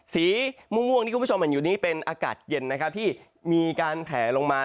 สีม่วงที่คุณผู้ชมเห็นอยู่นี้เป็นอากาศเย็นนะครับที่มีการแผลลงมา